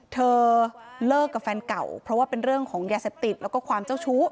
เธอเลิกกับแฟนเก่าเพราะว่าเป็นเรื่องของยาเสพติดแล้วก็ความเจ้าชู้